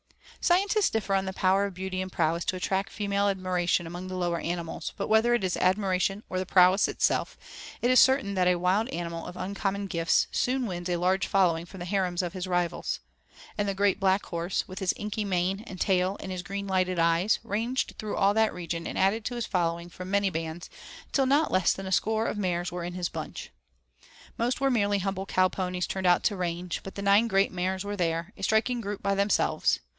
Scientists differ on the power of beauty and prowess to attract female admiration among the lower animals, but whether it is admiration or the prowess itself, it is certain that a wild animal of uncommon gifts soon wins a large following from the harems of his rivals. And the great Black Horse, with his inky mane and tail and his green lighted eyes, ranged through all that region and added to his following from many bands till not less than a score of mares were in his 'bunch.' Most were merely humble cow ponies turned out to range, but the nine great mares were there, a striking group by themselves.